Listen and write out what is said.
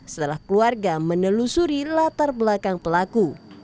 setelah keluarga menelusuri latar belakang pelaku